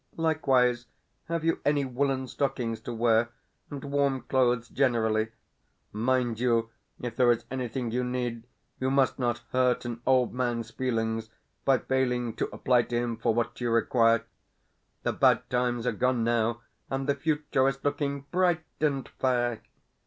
Likewise, have you any woollen stockings to wear, and warm clothes generally? Mind you, if there is anything you need, you must not hurt an old man's feelings by failing to apply to him for what you require. The bad times are gone now, and the future is looking bright and fair.